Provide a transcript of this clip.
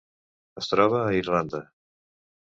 Es troba a Irlanda.